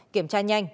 kiểm tra nhanh